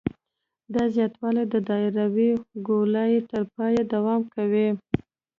دا زیاتوالی د دایروي ګولایي تر پایه دوام کوي